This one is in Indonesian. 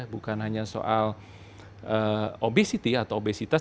bukan hanya soal obesitas atau obesitas